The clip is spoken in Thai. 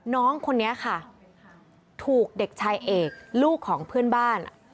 น้องคนนี้ค่ะถูกเด็กชายเอกลูกของเพื่อนบ้าน